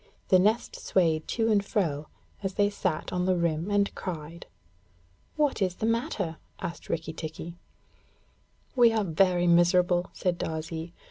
The nest swayed to and fro, as they sat on the rim and cried. 'What is the matter?' asked Rikki tikki. 'We are very miserable,' said Darzee.